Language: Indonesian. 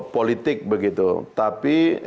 politik begitu tapi